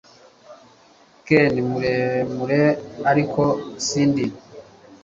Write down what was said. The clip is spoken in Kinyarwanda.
Ken muremure ariko sindi